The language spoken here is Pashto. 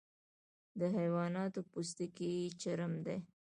د حیواناتو پوستکی چرم دی